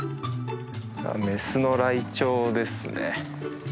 メスのライチョウですね。